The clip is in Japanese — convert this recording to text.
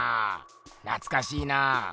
なつかしいなぁ。